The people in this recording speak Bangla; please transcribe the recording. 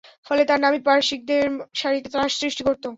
ফলে তার নামই পারসিকদের সারিতে ত্রাস সৃষ্টি করত।